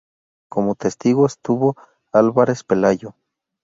Como testigo estuvo Álvarez Pelayo.